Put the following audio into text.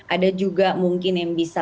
ada juga mungkin yang bisa